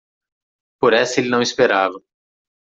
Por essa ele não esperava.